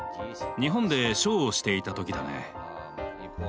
日本でショーをしていた時だね。